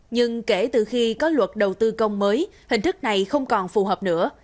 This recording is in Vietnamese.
nhưng kể từ khi có luật đầu tư công mới hình thức này không còn phù hợp nữa